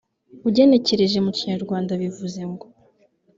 ugenekereje mu Kinyarwanda bivuze ngo